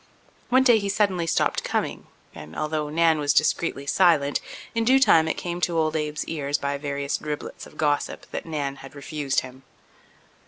One day he suddenly stopped coming and, although Nan was discreetly silent, in due time it came to old Abe's ears by various driblets of gossip that Nan had refused him.